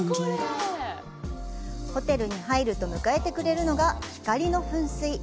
ホテルに入ると迎えてくれるのが光の噴水。